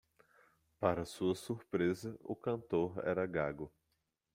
Para sua surpresa, o cantor era gago